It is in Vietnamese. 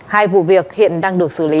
hai vụ việc hiện đang được xử lý